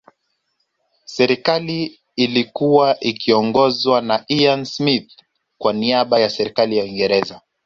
Serikali iIlikua ikiiongozwa na Ian Smith kwa niaba ya Serikali ya Uingereza